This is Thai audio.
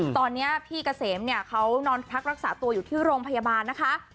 ตอนนี้พี่เกษมเนี่ยเขานอนพักรักษาตัวอยู่ที่โรงพยาบาลนะคะ